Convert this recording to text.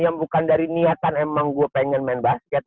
yang bukan dari niatan emang gue pengen main basket